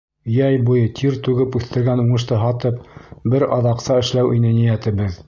Йәй буйы тир түгеп үҫтергән уңышты һатып, бер аҙ аҡса эшләү ине ниәтебеҙ.